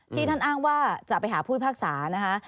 ท่านอ้างว่าจะไปหาผู้พิพากษานะคะ